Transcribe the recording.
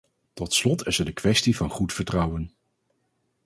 Tot slot is er de kwestie van goed vertrouwen.